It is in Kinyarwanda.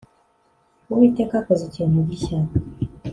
uwiteka akoze ikintu gishya